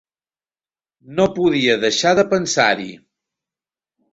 No podia deixar de pensar-hi.